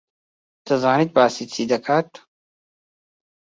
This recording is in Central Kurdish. دەزانێت باسی چی دەکات.